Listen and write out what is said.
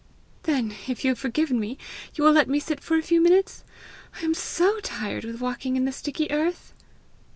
"Then, if you have forgiven me, you will let me sit for a few minutes! I am SO tired with walking in the sticky earth!"